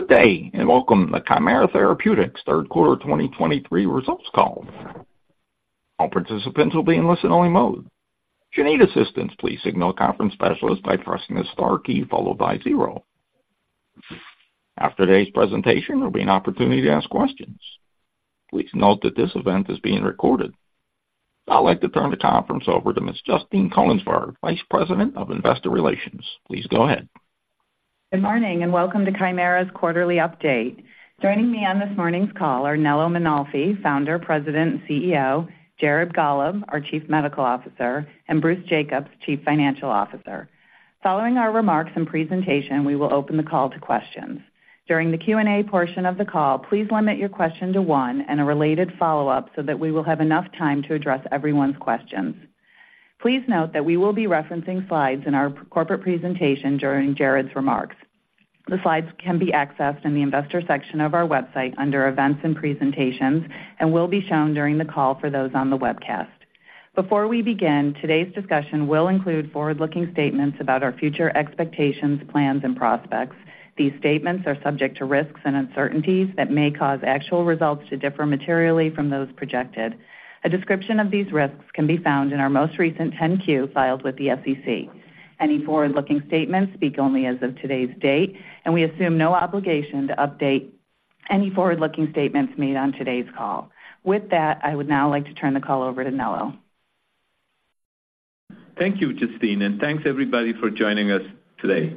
Good day, and welcome to the Kymera Therapeutics third quarter 2023 results call. All participants will be in listen-only mode. If you need assistance, please signal a conference specialist by pressing the star key followed by zero. After today's presentation, there'll be an opportunity to ask questions. Please note that this event is being recorded. Now I'd like to turn the conference over to Ms. Justine Koenigsberg, Vice President of Investor Relations. Please go ahead. Good morning, and welcome to Kymera's quarterly update. Joining me on this morning's call are Nello Mainolfi, Founder, President, and CEO, Jared Gollob, our Chief Medical Officer, and Bruce Jacobs, Chief Financial Officer. Following our remarks and presentation, we will open the call to questions. During the Q&A portion of the call, please limit your question to one and a related follow-up so that we will have enough time to address everyone's questions. Please note that we will be referencing slides in our corporate presentation during Jared's remarks. The slides can be accessed in the investor section of our website under Events and Presentations and will be shown during the call for those on the webcast. Before we begin, today's discussion will include forward-looking statements about our future expectations, plans, and prospects. These statements are subject to risks and uncertainties that may cause actual results to differ materially from those projected. A description of these risks can be found in our most recent 10-Q filed with the SEC. Any forward-looking statements speak only as of today's date, and we assume no obligation to update any forward-looking statements made on today's call. With that, I would now like to turn the call over to Nello. Thank you, Justine, and thanks everybody for joining us today.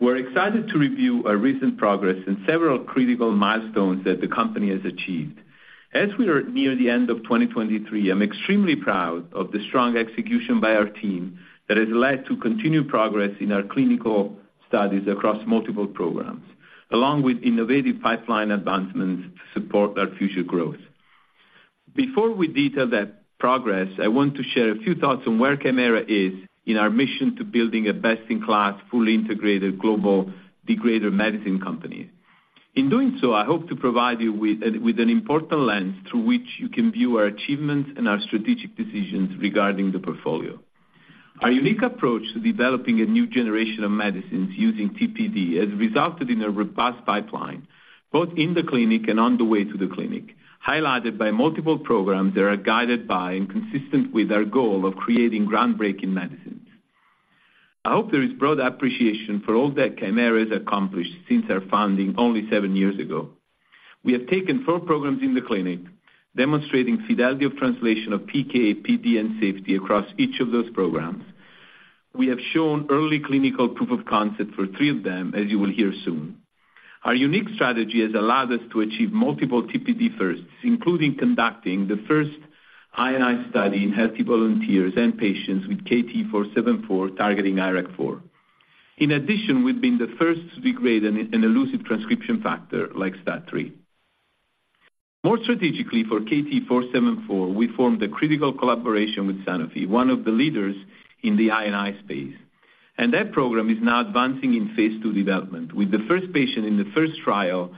We're excited to review our recent progress and several critical milestones that the company has achieved. As we are near the end of 2023, I'm extremely proud of the strong execution by our team that has led to continued progress in our clinical studies across multiple programs, along with innovative pipeline advancements to support our future growth. Before we detail that progress, I want to share a few thoughts on where Kymera is in our mission to building a best-in-class, fully integrated global degrader medicine company. In doing so, I hope to provide you with an important lens through which you can view our achievements and our strategic decisions regarding the portfolio. Our unique approach to developing a new generation of medicines using TPD has resulted in a robust pipeline, both in the clinic and on the way to the clinic, highlighted by multiple programs that are guided by and consistent with our goal of creating groundbreaking medicines. I hope there is broad appreciation for all that Kymera has accomplished since our founding only seven years ago. We have taken four programs in the clinic, demonstrating fidelity of translation of PK, PD, and safety across each of those programs. We have shown early clinical proof of concept for three of them, as you will hear soon. Our unique strategy has allowed us to achieve multiple TPD firsts, including conducting the first IND study in healthy volunteers and patients with KT-474, targeting IRAK4. In addition, we've been the first to degrade an elusive transcription factor like STAT3. More strategically, for KT-474, we formed a critical collaboration with Sanofi, one of the leaders in the I&I space, and that program is now advancing in phase II development, with the first patient in the first trial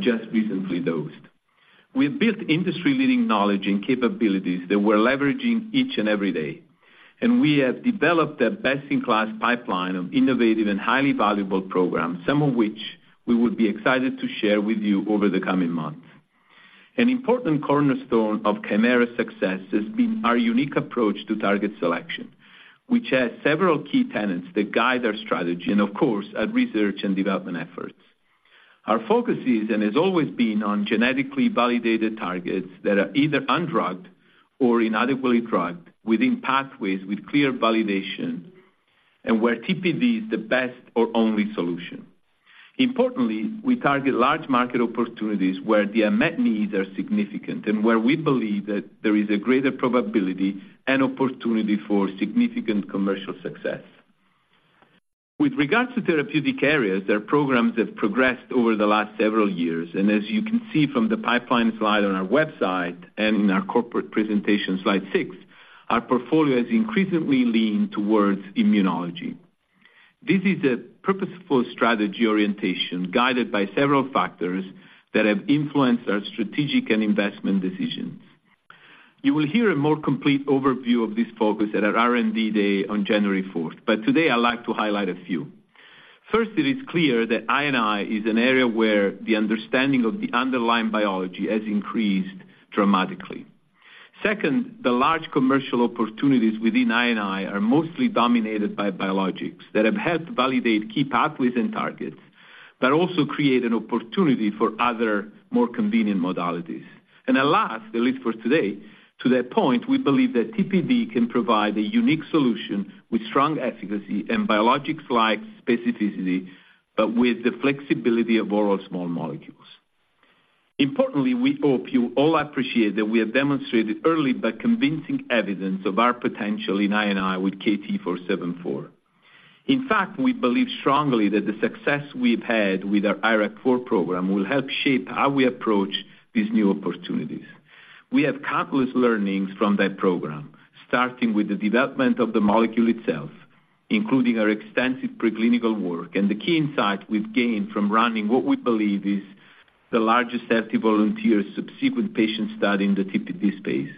just recently dosed. We've built industry-leading knowledge and capabilities that we're leveraging each and every day, and we have developed a best-in-class pipeline of innovative and highly valuable programs, some of which we will be excited to share with you over the coming months. An important cornerstone of Kymera's success has been our unique approach to target selection, which has several key tenets that guide our strategy and, of course, our research and development efforts. Our focus is, and has always been on genetically validated targets that are either undrugged or inadequately drugged within pathways with clear validation and where TPD is the best or only solution. Importantly, we target large market opportunities where the unmet needs are significant and where we believe that there is a greater probability and opportunity for significant commercial success. With regards to therapeutic areas, there are programs that have progressed over the last several years, and as you can see from the pipeline slide on our website and in our corporate presentation, slide six, our portfolio has increasingly leaned towards immunology. This is a purposeful strategy orientation, guided by several factors that have influenced our strategic and investment decisions. You will hear a more complete overview of this focus at our R&D day on January 4th, but today I'd like to highlight a few. First, it is clear that I&I is an area where the understanding of the underlying biology has increased dramatically. Second, the large commercial opportunities within I&I are mostly dominated by biologics that have helped validate key pathways and targets, but also create an opportunity for other, more convenient modalities. And at last, at least for today, to that point, we believe that TPD can provide a unique solution with strong efficacy and biologics like specificity, but with the flexibility of oral small molecule degraders. Importantly, we hope you all appreciate that we have demonstrated early but convincing evidence of our potential in I&I with KT-474. In fact, we believe strongly that the success we've had with our IRAK4 program will help shape how we approach these new opportunities. We have countless learnings from that program, starting with the development of the molecule itself, including our extensive preclinical work and the key insight we've gained from running what we believe is the largest healthy volunteer subsequent patient study in the TPD space....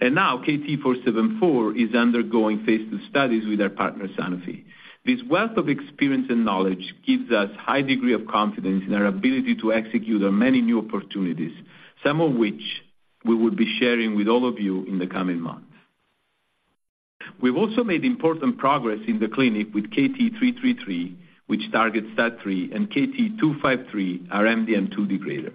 And now KT-474 is undergoing phase II studies with our partner, Sanofi. This wealth of experience and knowledge gives us high degree of confidence in our ability to execute on many new opportunities, some of which we will be sharing with all of you in the coming months. We've also made important progress in the clinic with KT-333, which targets STAT3, and KT-253, our MDM2 degrader.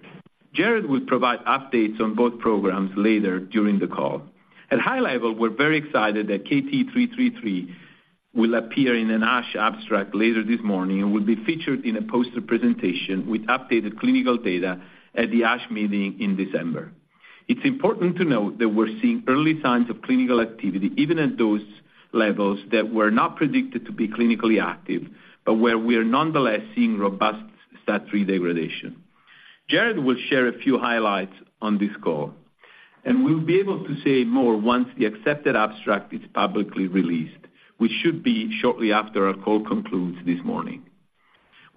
Jared will provide updates on both programs later during the call. At a high level, we're very excited that KT-333 will appear in an ASH abstract later this morning and will be featured in a poster presentation with updated clinical data at the ASH meeting in December. It's important to note that we're seeing early signs of clinical activity, even at those levels that were not predicted to be clinically active, but where we are nonetheless seeing robust STAT3 degradation. Jared will share a few highlights on this call, and we'll be able to say more once the accepted abstract is publicly released, which should be shortly after our call concludes this morning.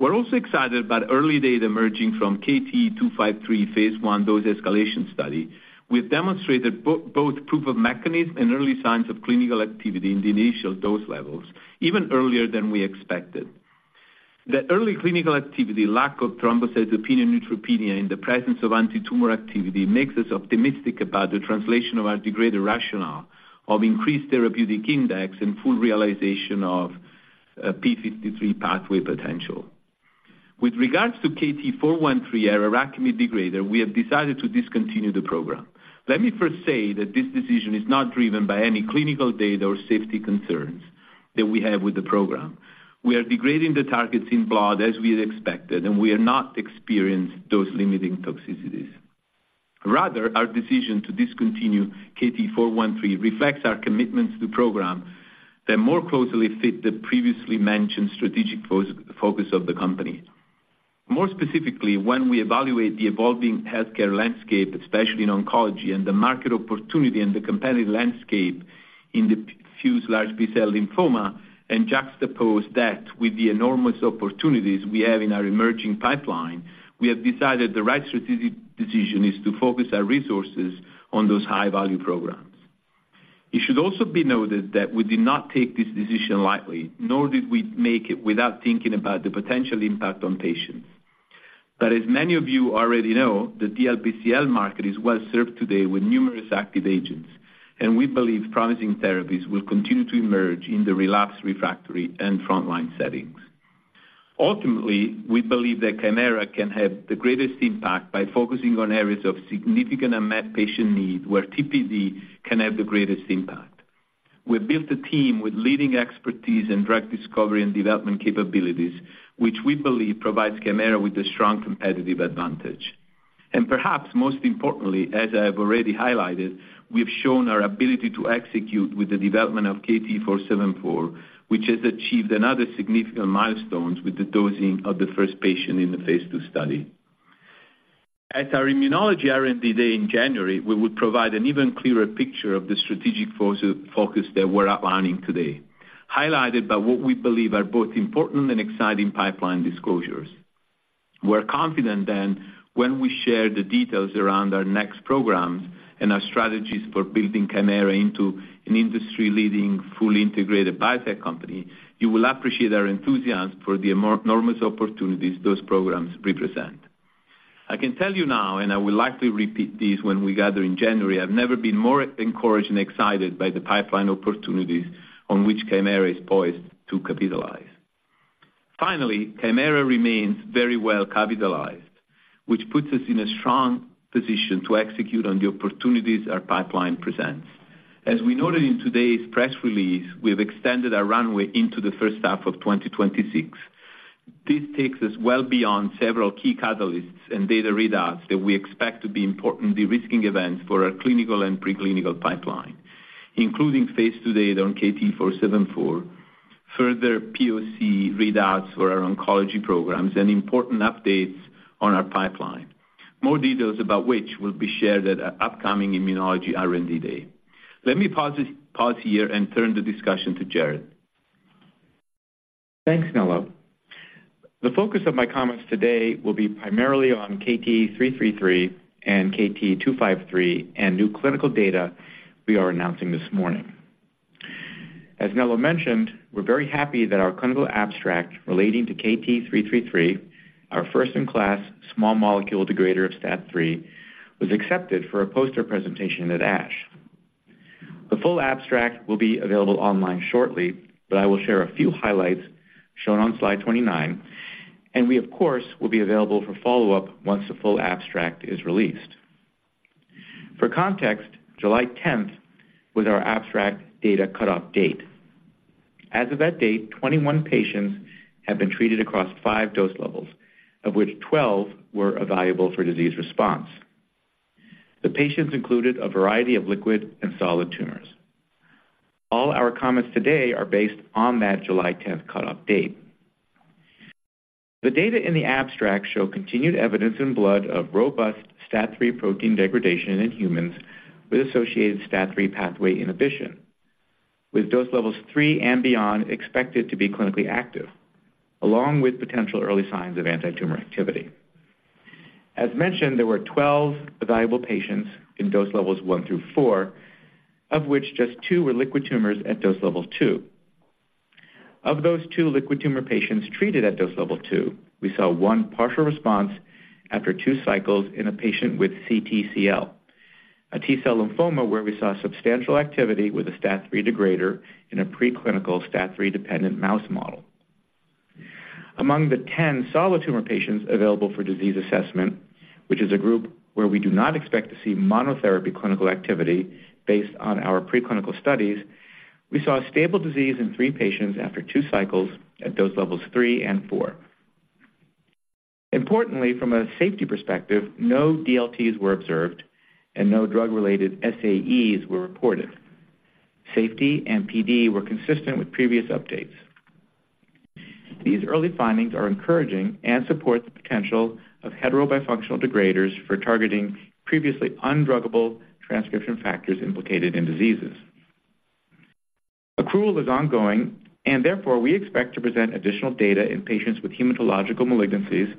We're also excited about early data emerging from KT-253 phase I dose-escalation study. We've demonstrated both proof of mechanism and early signs of clinical activity in the initial dose levels, even earlier than we expected. The early clinical activity, lack of thrombocytopenia, neutropenia in the presence of antitumor activity, makes us optimistic about the translation of our degrader rationale of increased therapeutic index and full realization of p53 pathway potential. With regards to KT-413, our IRAKIMiD degrader, we have decided to discontinue the program. Let me first say that this decision is not driven by any clinical data or safety concerns that we have with the program. We are degrading the targets in blood as we had expected, and we are not experiencing dose-limiting toxicities. Rather, our decision to discontinue KT-413 reflects our commitments to the program that more closely fit the previously mentioned strategic focus of the company. More specifically, when we evaluate the evolving healthcare landscape, especially in oncology, and the market opportunity and the competitive landscape in the diffuse large B-cell lymphoma, and juxtapose that with the enormous opportunities we have in our emerging pipeline, we have decided the right strategic decision is to focus our resources on those high-value programs. It should also be noted that we did not take this decision lightly, nor did we make it without thinking about the potential impact on patients. But as many of you already know, the DLBCL market is well-served today with numerous active agents, and we believe promising therapies will continue to emerge in the relapsed, refractory, and frontline settings. Ultimately, we believe that Kymera can have the greatest impact by focusing on areas of significant unmet patient need, where TPD can have the greatest impact. We've built a team with leading expertise in drug discovery and development capabilities, which we believe provides Kymera with a strong competitive advantage. And perhaps most importantly, as I have already highlighted, we've shown our ability to execute with the development of KT-474, which has achieved another significant milestone with the dosing of the first patient in the phase II study. At our Immunology R&D Day in January, we will provide an even clearer picture of the strategic focus that we're outlining today, highlighted by what we believe are both important and exciting pipeline disclosures. We're confident then, when we share the details around our next programs and our strategies for building Kymera into an industry-leading, fully integrated biotech company, you will appreciate our enthusiasm for the enormous opportunities those programs represent. I can tell you now, and I will likely repeat this when we gather in January, I've never been more encouraged and excited by the pipeline opportunities on which Kymera is poised to capitalize. Finally, Kymera remains very well-capitalized, which puts us in a strong position to execute on the opportunities our pipeline presents. As we noted in today's press release, we've extended our runway into the first half of 2026. This takes us well beyond several key catalysts and data readouts that we expect to be important de-risking events for our clinical and preclinical pipeline, including phase II data on KT-474, further POC readouts for our oncology programs, and important updates on our pipeline, more details about which will be shared at our upcoming Immunology R&D Day. Let me pause here and turn the discussion to Jared. Thanks, Nello. The focus of my comments today will be primarily on KT-333 and KT-253, and new clinical data we are announcing this morning. As Nello mentioned, we're very happy that our clinical abstract relating to KT-333, our first-in-class small molecule degrader of STAT3, was accepted for a poster presentation at ASH. The full abstract will be available online shortly, but I will share a few highlights shown on slide 29, and we, of course, will be available for follow-up once the full abstract is released. For context, July 10th was our abstract data cutoff date. As of that date, 21 patients have been treated across five dose levels, of which 12 were evaluable for disease response. The patients included a variety of liquid and solid tumors. All our comments today are based on that July 10th cutoff date. The data in the abstract show continued evidence in blood of robust STAT3 protein degradation in humans with associated STAT3 pathway inhibition, with dose levels three and beyond expected to be clinically active, along with potential early signs of antitumor activity. As mentioned, there were 12 evaluable patients in dose levels one through four, of which just two were liquid tumors at dose level two. Of those two liquid tumor patients treated at dose level two, we saw one partial response after two cycles in a patient with CTCL, a T-cell lymphoma, where we saw substantial activity with a STAT3 degrader in a preclinical STAT3-dependent mouse model. Among the 10 solid tumor patients available for disease assessment, which is a group where we do not expect to see monotherapy clinical activity based on our preclinical studies, we saw stable disease in three patients after two cycles at dose levels three and four. Importantly, from a safety perspective, no DLTs were observed and no drug-related SAEs were reported. Safety and PD were consistent with previous updates. These early findings are encouraging and support the potential of heterobifunctional degraders for targeting previously undruggable transcription factors implicated in diseases. Accrual is ongoing, and therefore, we expect to present additional data in patients with hematological malignancies,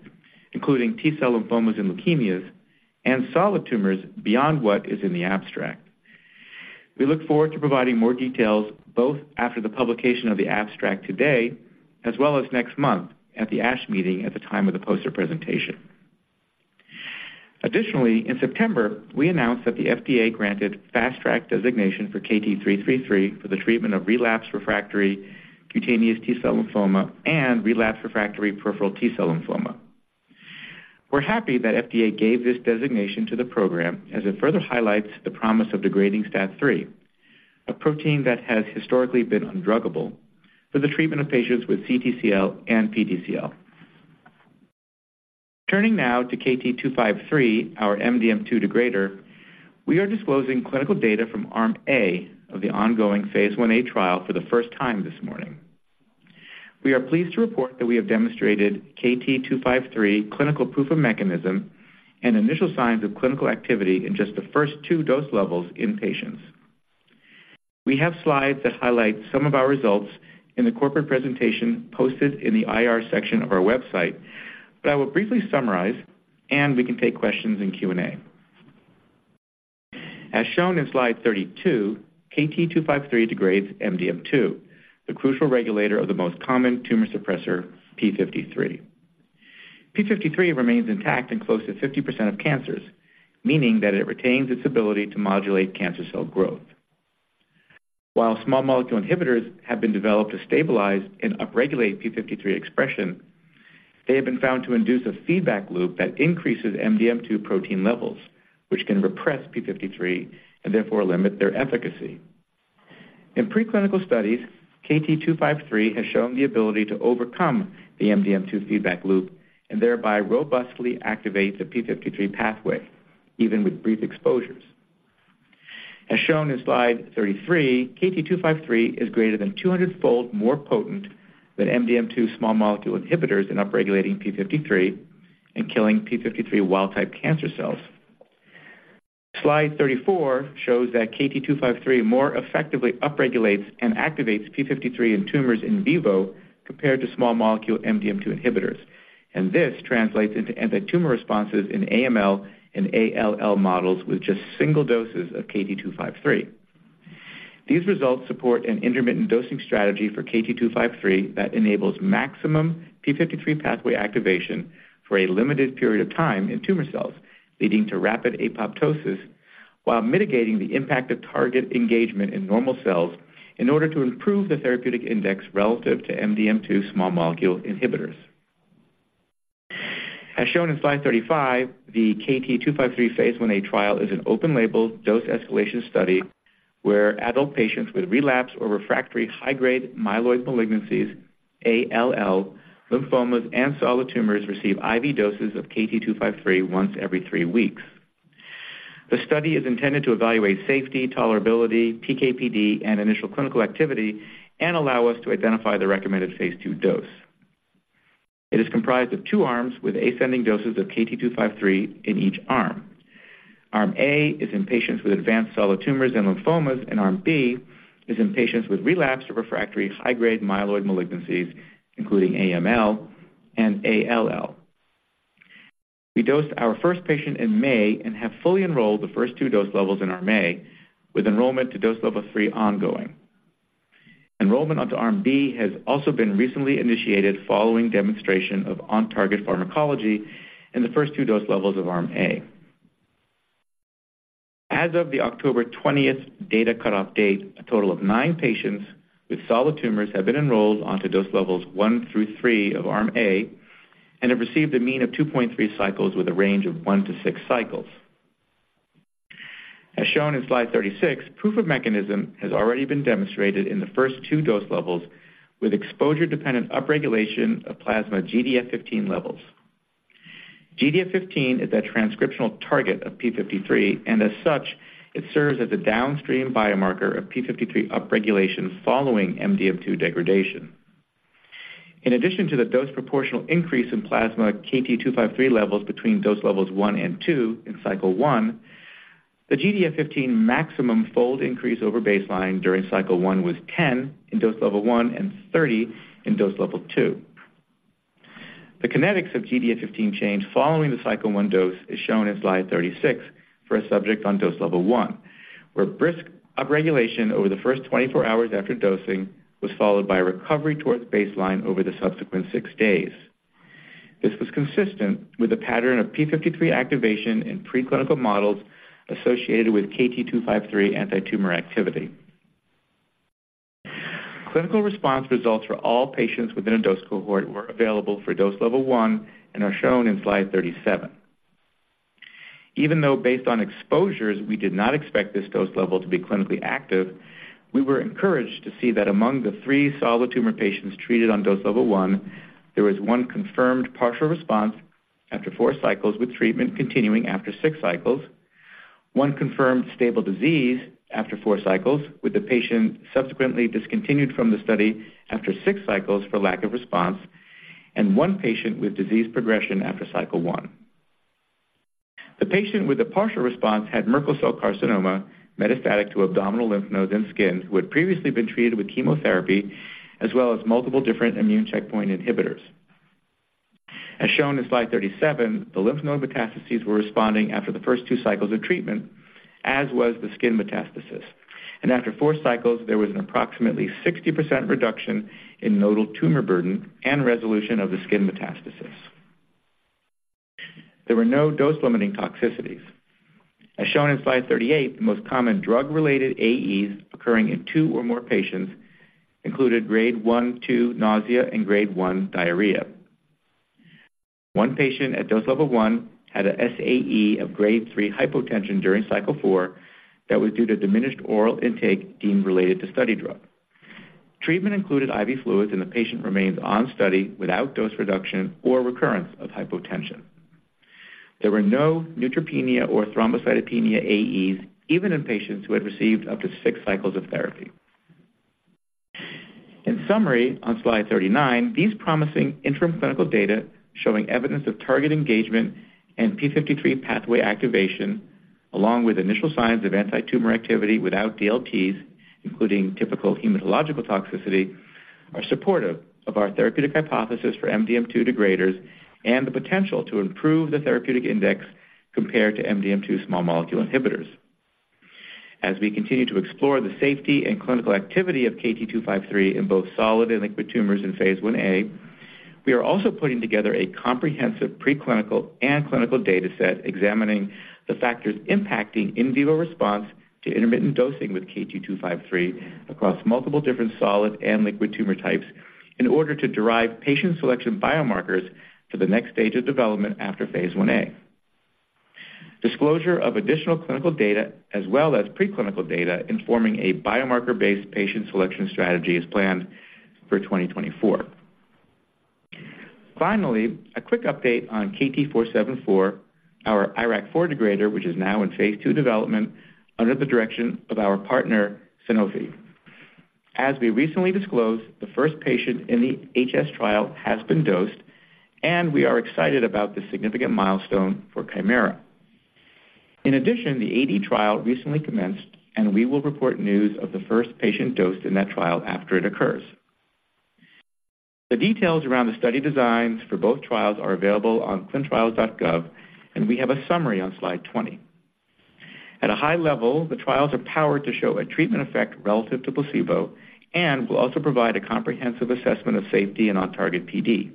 including T-cell lymphomas and leukemias, and solid tumors beyond what is in the abstract. We look forward to providing more details, both after the publication of the abstract today, as well as next month at the ASH meeting at the time of the poster presentation. Additionally, in September, we announced that the FDA granted Fast Track designation for KT-333 for the treatment of relapsed refractory cutaneous T-cell lymphoma and relapsed refractory peripheral T-cell lymphoma. We're happy that FDA gave this designation to the program as it further highlights the promise of degrading STAT3, a protein that has historically been undruggable, for the treatment of patients with CTCL and PTCL. Turning now to KT-253, our MDM2 degrader, we are disclosing clinical data from Arm A of the ongoing phase Ia trial for the first time this morning. We are pleased to report that we have demonstrated KT-253 clinical proof of mechanism and initial signs of clinical activity in just the first two dose levels in patients. We have slides that highlight some of our results in the corporate presentation posted in the IR section of our website, but I will briefly summarize, and we can take questions in Q&A. As shown in Slide 32, KT-253 degrades MDM2, the crucial regulator of the most common tumor suppressor, p53. p53 remains intact in close to 50% of cancers, meaning that it retains its ability to modulate cancer cell growth. While small molecule inhibitors have been developed to stabilize and upregulate p53 expression, they have been found to induce a feedback loop that increases MDM2 protein levels, which can repress p53 and therefore limit their efficacy. In preclinical studies, KT-253 has shown the ability to overcome the MDM2 feedback loop and thereby robustly activate the p53 pathway, even with brief exposures. As shown in Slide 33, KT-253 is greater than 200-fold more potent than MDM2 small molecule inhibitors in upregulating p53 and killing p53 wild-type cancer cells. Slide 34 shows that KT-253 more effectively upregulates and activates p53 in tumors in vivo compared to small molecule MDM2 inhibitors, and this translates into antitumor responses in AML and ALL models with just single doses of KT-253. These results support an intermittent dosing strategy for KT-253 that enables maximum p53 pathway activation for a limited period of time in tumor cells, leading to rapid apoptosis while mitigating the impact of target engagement in normal cells in order to improve the therapeutic index relative to MDM2 small molecule inhibitors. As shown in Slide 35, the KT-253 phase Ia trial is an open label dose escalation study where adult patients with relapsed or refractory high-grade myeloid malignancies, ALL, lymphomas, and solid tumors receive IV doses of KT-253 once every three weeks. The study is intended to evaluate safety, tolerability, PK/PD, and initial clinical activity and allow us to identify the recommended phase II dose. It is comprised of two arms with ascending doses of KT-253 in each arm. Arm A is in patients with advanced solid tumors and lymphomas, and Arm B is in patients with relapsed or refractory high-grade myeloid malignancies, including AML and ALL. We dosed our first patient in May and have fully enrolled the first two dose levels in Arm A, with enrollment to dose level three ongoing. Enrollment onto Arm B has also been recently initiated following demonstration of on-target pharmacology in the first two dose levels of Arm A. As of the October 20th data cutoff date, a total of nine patients with solid tumors have been enrolled onto dose levels one through three of Arm A and have received a mean of 2.3 cycles with a range of one to six cycles. As shown in Slide 36, proof of mechanism has already been demonstrated in the first to dose levels, with exposure-dependent upregulation of plasma GDF-15 levels. GDF-15 is a transcriptional target of p53, and as such, it serves as a downstream biomarker of p53 upregulation following MDM2 degradation. In addition to the dose proportional increase in plasma KT-253 levels between dose levels one and two in cycle 1-... The GDF15 maximum fold increase over baseline during cycle one was 10 in dose level one and 30 in dose level two. The kinetics of GDF15 change following the cycle one dose is shown in slide 36 for a subject on dose level one, where brisk upregulation over the first 24 hours after dosing was followed by a recovery towards baseline over the subsequent six days. This was consistent with the pattern of p53 activation in preclinical models associated with KT-253 antitumor activity. Clinical response results for all patients within a dose cohort were available for dose level one and are shown in slide 37. Even though based on exposures, we did not expect this dose level to be clinically active, we were encouraged to see that among the three solid tumor patients treated on dose level one, there was one confirmed partial response after four cycles, with treatment continuing after six cycles, one confirmed stable disease after four cycles, with the patient subsequently discontinued from the study after six cycles for lack of response, and one patient with disease progression after cycle one. The patient with the partial response had Merkel cell carcinoma, metastatic to abdominal lymph nodes and skin, who had previously been treated with chemotherapy, as well as multiple different immune checkpoint inhibitors. As shown in slide 37, the lymph node metastases were responding after the first two cycles of treatment, as was the skin metastasis, and after four cycles, there was an approximately 60% reduction in nodal tumor burden and resolution of the skin metastasis. There were no dose-limiting toxicities. As shown in slide 38, the most common drug-related AEs occurring in two or more patients included grade one to two nausea and grade one diarrhea. One patient at dose level one had an SAE of grade three hypotension during cycle four that was due to diminished oral intake deemed related to study drug. Treatment included IV fluids, and the patient remains on study without dose reduction or recurrence of hypotension. There were no neutropenia or thrombocytopenia AEs, even in patients who had received up to six cycles of therapy. In summary, on slide 39, these promising interim clinical data showing evidence of target engagement and p53 pathway activation, along with initial signs of antitumor activity without DLTs, including typical hematological toxicity, are supportive of our therapeutic hypothesis for MDM2 degraders and the potential to improve the therapeutic index compared to MDM2 small molecule inhibitors. As we continue to explore the safety and clinical activity of KT-253 in both solid and liquid tumors in phase Ia, we are also putting together a comprehensive preclinical and clinical data set examining the factors impacting in vivo response to intermittent dosing with KT-253 across multiple different solid and liquid tumor types, in order to derive patient selection biomarkers for the next stage of development after phase Ia. Disclosure of additional clinical data, as well as preclinical data, informing a biomarker-based patient selection strategy, is planned for 2024. Finally, a quick update on KT-474, our IRAK4 degrader, which is now in phase II development under the direction of our partner, Sanofi. As we recently disclosed, the first patient in the HS trial has been dosed, and we are excited about this significant milestone for Kymera. In addition, the AD trial recently commenced, and we will report news of the first patient dosed in that trial after it occurs. The details around the study designs for both trials are available on clinicaltrials.gov, and we have a summary on slide 20. At a high level, the trials are powered to show a treatment effect relative to placebo and will also provide a comprehensive assessment of safety and on-target PD.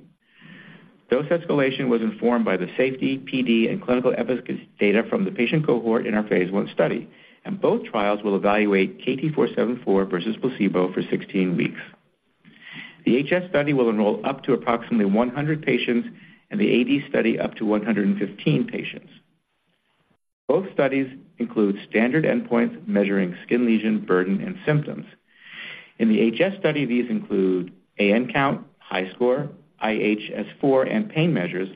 Dose escalation was informed by the safety, PD, and clinical efficacy data from the patient cohort in our phase I study, and both trials will evaluate KT-474 versus placebo for 16 weeks. The HS study will enroll up to approximately 100 patients, and the AD study up to 115 patients. Both studies include standard endpoints measuring skin lesion burden and symptoms. In the HS study, these include AN count, HiSCR, IHS4, and pain measures,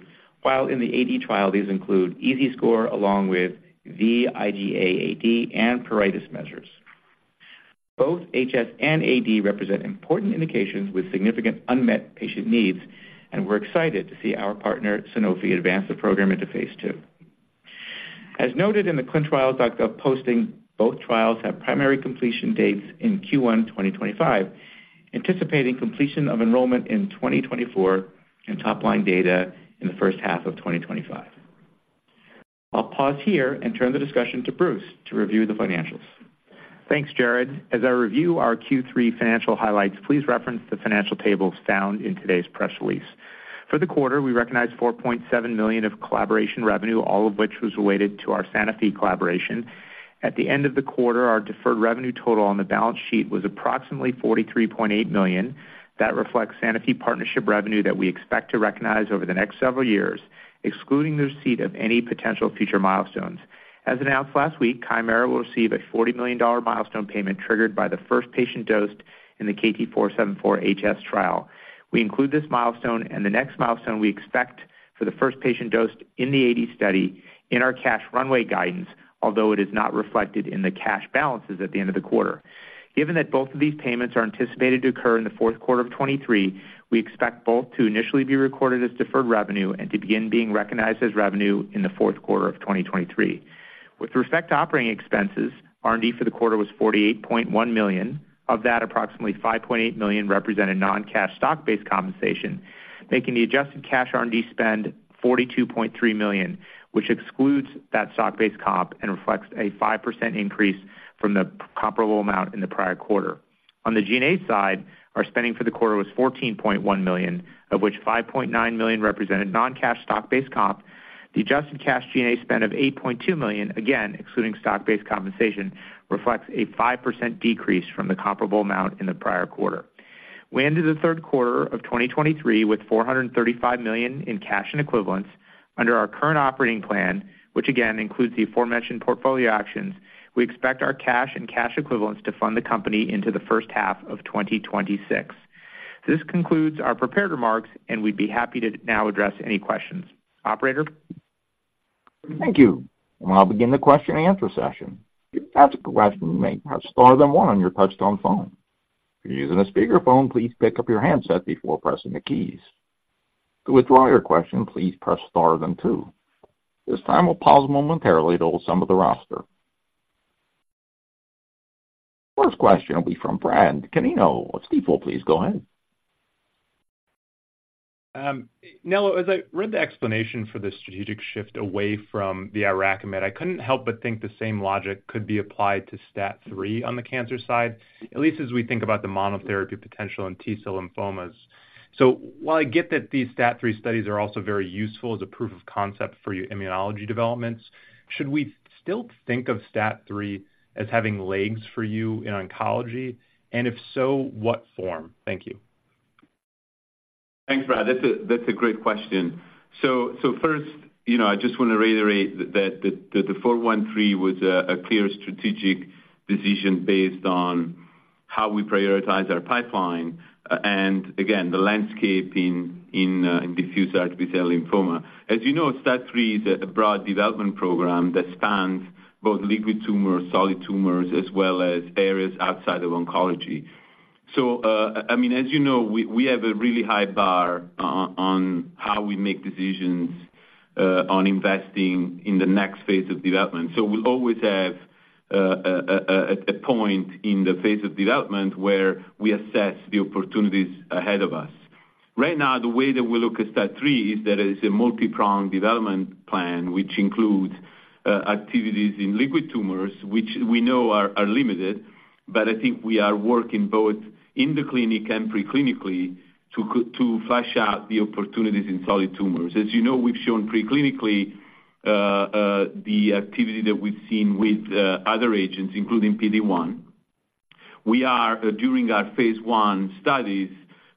while in the AD trial, these include EASI score along with vIGA-AD and pruritus measures. Both HS and AD represent important indications with significant unmet patient needs, and we're excited to see our partner, Sanofi, advance the program into phase II. As noted in the clinicaltrials.gov posting, both trials have primary completion dates in Q1 2025, anticipating completion of enrollment in 2024 and top-line data in the first half of 2025. I'll pause here and turn the discussion to Bruce to review the financials. Thanks, Jared. As I review our Q3 financial highlights, please reference the financial tables found in today's press release. For the quarter, we recognized $4.7 million of collaboration revenue, all of which was related to our Sanofi collaboration. At the end of the quarter, our deferred revenue total on the balance sheet was approximately $43.8 million. That reflects Sanofi partnership revenue that we expect to recognize over the next several years, excluding the receipt of any potential future milestones. As announced last week, Kymera will receive a $40 million milestone payment triggered by the first patient dosed in the KT-474 HS trial. We include this milestone and the next milestone we expect for the first patient dosed in the AD study in our cash runway guidance, although it is not reflected in the cash balances at the end of the quarter. Given that both of these payments are anticipated to occur in the fourth quarter of 2023, we expect both to initially be recorded as deferred revenue and to begin being recognized as revenue in the fourth quarter of 2023. With respect to operating expenses, R&D for the quarter was $48.1 million. Of that, approximately $5.8 million represented non-cash stock-based compensation, making the adjusted cash R&D spend $42.3 million, which excludes that stock-based comp and reflects a 5% increase from the comparable amount in the prior quarter. On the G&A side, our spending for the quarter was $14.1 million, of which $5.9 million represented non-cash stock-based comp. The adjusted cash G&A spend of $8.2 million, again, excluding stock-based compensation, reflects a 5% decrease from the comparable amount in the prior quarter. We ended the third quarter of 2023 with $435 million in cash and equivalents. Under our current operating plan, which again includes the aforementioned portfolio actions, we expect our cash and cash equivalents to fund the company into the first half of 2026. This concludes our prepared remarks, and we'd be happy to now address any questions. Operator? Thank you. We'll now begin the question-and-answer session. To ask a question, you may press star then one on your touchtone phone. If you're using a speakerphone, please pick up your handset before pressing the keys. To withdraw your question, please press star then two. This time, we'll pause momentarily to listen to the roster. First question will be from Bradley Canino of Stifel. Please go ahead. Nello, as I read the explanation for the strategic shift away from the IRAKIMiD, I couldn't help but think the same logic could be applied to STAT3 on the cancer side, at least as we think about the monotherapy potential in T-cell lymphomas. So while I get that these STAT3 studies are also very useful as a proof of concept for your immunology developments, should we still think of STAT3 as having legs for you in oncology? And if so, what form? Thank you. Thanks, Brad. That's a great question. So first, you know, I just want to reiterate that the KT-413 was a clear strategic decision based on how we prioritize our pipeline and again, the landscape in diffuse large B-cell lymphoma. As you know, STAT3 is a broad development program that spans both liquid tumors, solid tumors, as well as areas outside of oncology. So I mean, as you know, we have a really high bar on how we make decisions on investing in the next phase of development. So we'll always have a point in the phase of development where we assess the opportunities ahead of us. Right now, the way that we look at STAT3 is that it's a multipronged development plan, which includes activities in liquid tumors, which we know are limited, but I think we are working both in the clinic and preclinically to flesh out the opportunities in solid tumors. As you know, we've shown preclinically the activity that we've seen with other agents, including PD-1. We are, during our phase I studies,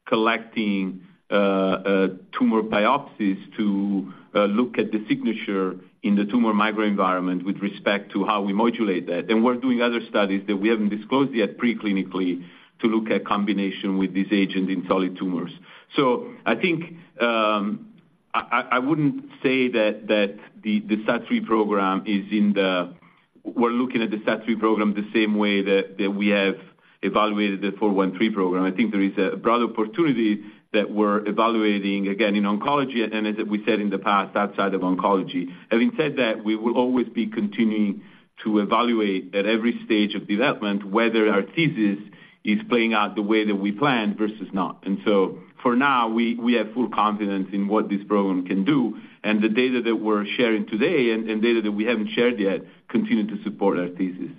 collecting tumor biopsies to look at the signature in the tumor microenvironment with respect to how we modulate that. We're doing other studies that we haven't disclosed yet preclinically, to look at combination with this agent in solid tumors. So I think I wouldn't say that the STAT3 program is in the—we're looking at the STAT3 program the same way that we have evaluated the 413 program. I think there is a broad opportunity that we're evaluating, again, in oncology, and as we said in the past, outside of oncology. Having said that, we will always be continuing to evaluate at every stage of development, whether our thesis is playing out the way that we planned versus not. And so for now, we have full confidence in what this program can do and the data that we're sharing today and data that we haven't shared yet continue to support our thesis.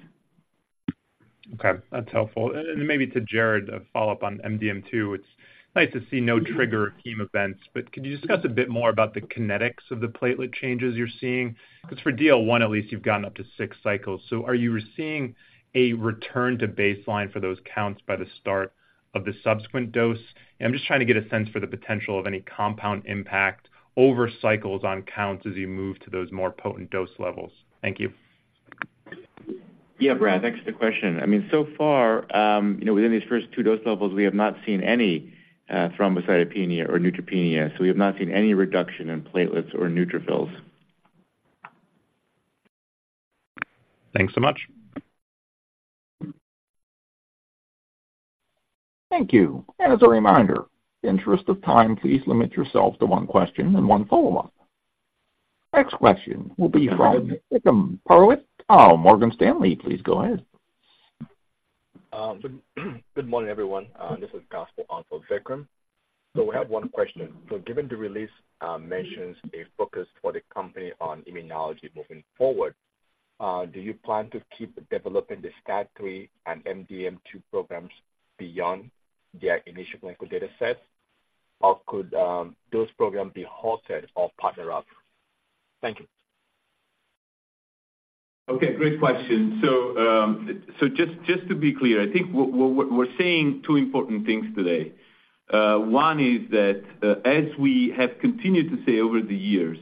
Okay, that's helpful. And then maybe to Jared, a follow-up on MDM2. It's nice to see no trigger heme events, but could you discuss a bit more about the kinetics of the platelet changes you're seeing? Because for DL 1, at least you've gotten up to six cycles. So are you seeing a return to baseline for those counts by the start of the subsequent dose? I'm just trying to get a sense for the potential of any compound impact over cycles on counts as you move to those more potent dose levels. Thank you. Yeah, Brad, thanks for the question. I mean, so far, you know, within these first two dose levels, we have not seen any thrombocytopenia or neutropenia, so we have not seen any reduction in platelets or neutrophils. Thanks so much. Thank you. As a reminder, in the interest of time, please limit yourself to one question and one follow-up. Next question will be from Vikram Purohit, of Morgan Stanley. Please go ahead. Good morning, everyone. This is Kausar on for Vikram. So we have one question. So given the release mentions a focus for the company on immunology moving forward, do you plan to keep developing the STAT3 and MDM2 programs beyond their initial clinical data set? Or could those programs be halted or partnered up? Thank you. Okay, great question. So, just to be clear, I think what we're saying two important things today. One is that, as we have continued to say over the years,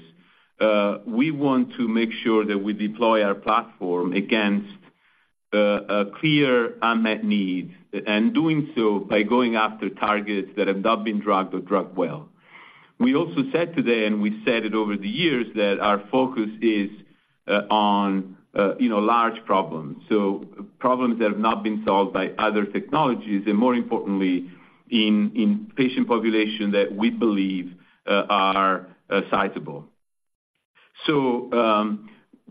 we want to make sure that we deploy our platform against a clear unmet need, and doing so by going after targets that have not been drugged or drugged well. We also said today, and we said it over the years, that our focus is on you know, large problems, so problems that have not been solved by other technologies, and more importantly, in patient population that we believe are sizable. So,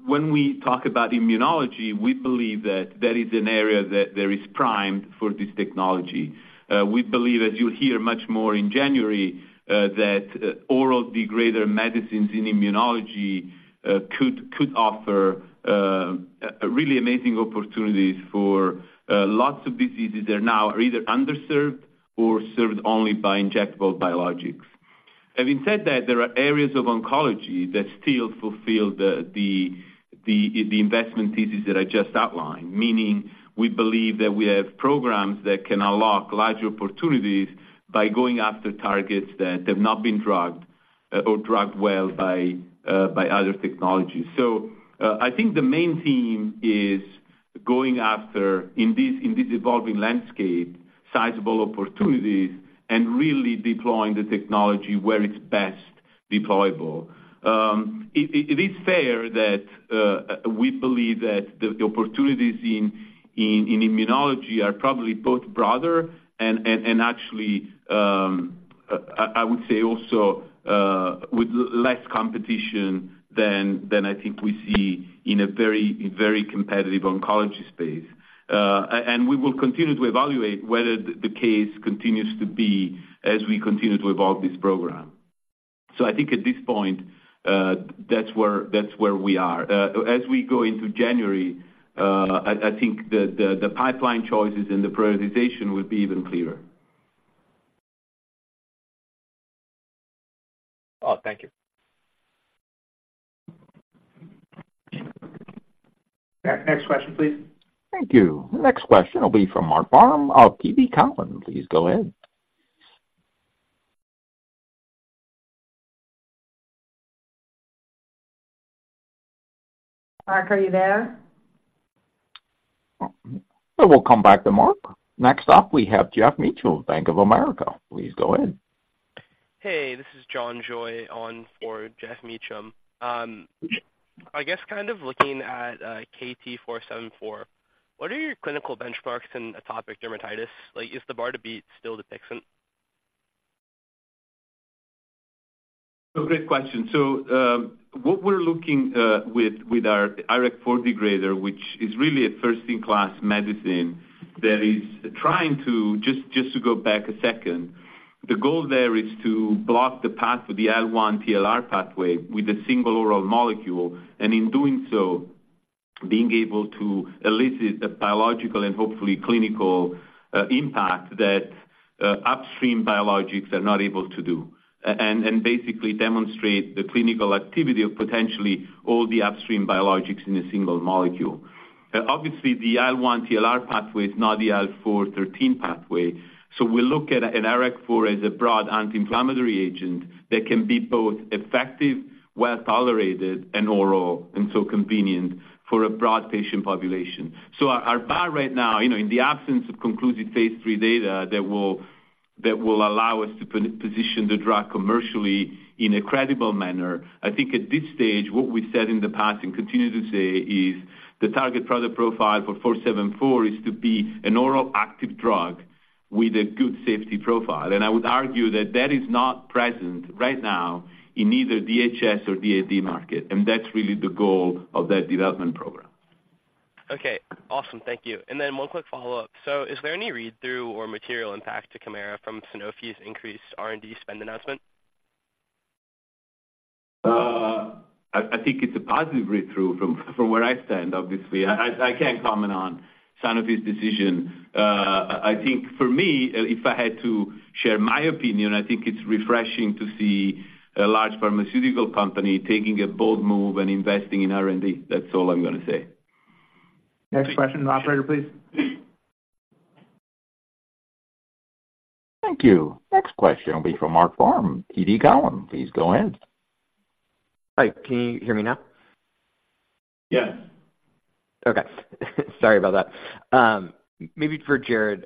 when we talk about immunology, we believe that that is an area that there is primed for this technology. We believe, as you'll hear much more in January, that oral degrader medicines in immunology could offer a really amazing opportunities for lots of diseases that are now either underserved or served only by injectable biologics. Having said that, there are areas of oncology that still fulfill the investment thesis that I just outlined, meaning we believe that we have programs that can unlock larger opportunities by going after targets that have not been drugged or drugged well by other technologies. So, I think the main theme is going after, in this evolving landscape, sizable opportunities and really deploying the technology where it's best deployable. It is fair that we believe that the opportunities in immunology are probably both broader and actually I would say also with less competition than I think we see in a very, very competitive oncology space. And we will continue to evaluate whether the case continues to be as we continue to evolve this program. So I think at this point, that's where, that's where we are. As we go into January, I think the pipeline choices and the prioritization will be even clearer. Oh, thank you. Next question, please. Thank you. Next question will be from Marc Frahm of TD Cowen. Please go ahead. Marc, are you there? We'll come back to Marc. Next up, we have Geoff Meacham of Bank of America. Please go ahead. Hey, this is John Joy on for Geoff Meacham. I guess kind of looking at KT-474, what are your clinical benchmarks in atopic dermatitis? Like, is the bar to beat still the Dupixent? So great question. So, what we're looking with our IRAK4 degrader, which is really a first-in-class medicine that is trying to—just to go back a second, the goal there is to block the path of the IL-1R/TLR pathway with a single oral molecule, and in doing so, being able to elicit a biological and hopefully clinical impact that upstream biologics are not able to do. And basically demonstrate the clinical activity of potentially all the upstream biologics in a single molecule. Obviously, the IL-1R/TLR pathway is not the IL-4/IL-13 pathway, so we look at an IRAK4 as a broad anti-inflammatory agent that can be both effective, well tolerated and oral, and so convenient for a broad patient population. So our bar right now, you know, in the absence of conclusive phase III data that will allow us to position the drug commercially in a credible manner, I think at this stage, what we've said in the past and continue to say is the target product profile for KT-474 is to be an oral active drug with a good safety profile. And I would argue that that is not present right now in either HS or AD market, and that's really the goal of that development program. Okay, awesome. Thank you. And then one quick follow-up. So is there any read-through or material impact to Kymera from Sanofi's increased R&D spend announcement? I think it's a positive read-through from where I stand, obviously. I can't comment on Sanofi's decision. I think for me, if I had to share my opinion, I think it's refreshing to see a large pharmaceutical company taking a bold move and investing in R&D. That's all I'm gonna say. Next question, operator, please. Thank you. Next question will be from Marc Frahm, TD Cowen. Please go in. Hi. Can you hear me now? Yes. Okay. Sorry about that. Maybe for Jared.